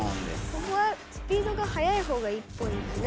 ここはスピードがはやいほうがいいっぽいですね。